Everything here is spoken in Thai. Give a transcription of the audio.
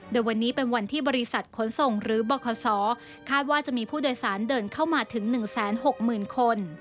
โดยวันนี้เป็นวันที่บริษัทขนส่งหรือบขคาดว่าจะมีผู้โดยสารเดินเข้ามาถึง๑๖๐๐๐คน